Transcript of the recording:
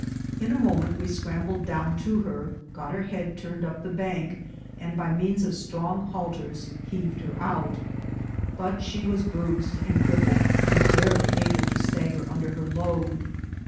In a moment we scrambled down to her, got her head turned up the bank, and by means of strong halters heaved her out ; but she was bruised and crippled, and barely able to stagger under her load.